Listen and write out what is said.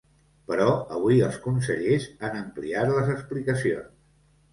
Però avui els consellers han ampliat les explicacions.